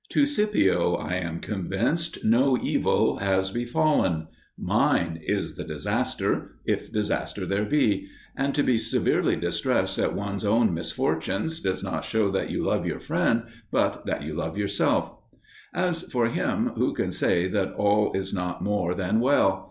To Scipio I am convinced no evil has befallen: mine is the disaster, if disaster there be; and to be severely distressed at one's own misfortunes does not show that you love your friend, but that you love yourself. As for him, who can say that all is not more than well?